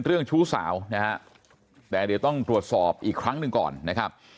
ชู้สาวนะฮะแต่เดี๋ยวต้องตรวจสอบอีกครั้งหนึ่งก่อนนะครับ